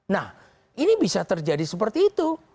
nah ini bisa terjadi seperti itu